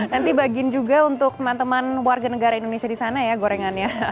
nanti bagian juga untuk teman teman warga negara indonesia di sana ya gorengannya